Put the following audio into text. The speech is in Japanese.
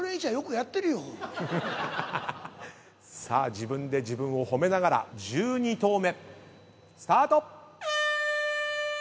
さあ自分で自分を褒めながら１２投目スタート。